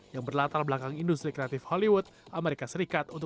yang berlatar belakang industri kreatif hollywood amerika serikat